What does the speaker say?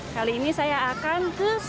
kali ini saya akan ke